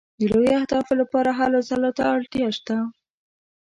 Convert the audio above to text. د لویو اهدافو لپاره هلو ځلو ته اړتیا شته.